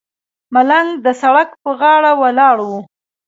ملنګ د سړک پر غاړه ولاړ و.